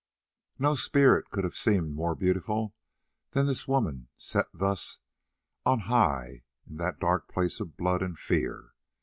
No spirit could have seemed more beautiful than this woman set thus on high in that dark place of blood and fear.